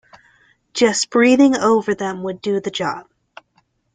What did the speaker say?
Just breathing over them would do the job.